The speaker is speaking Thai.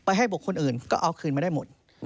ให้บุคคลอื่นก็เอาคืนมาได้หมด